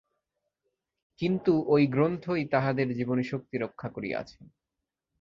কিন্তু ঐ গ্রন্থই তাহাদের জীবনীশক্তি রক্ষা করিয়াছে।